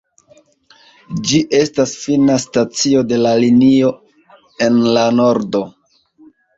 Ĝi estas fina stacio de la linio en la nordo.